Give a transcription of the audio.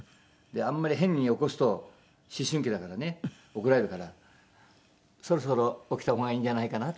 あんまり変に起こすと思春期だからね怒られるから「そろそろ起きた方がいいんじゃないかな」。